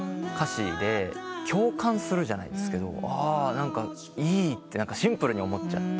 共感するじゃないですけどいいってシンプルに思っちゃって。